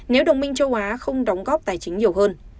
nếu đồng minh châu á không đóng góp tài chính nhiều hơn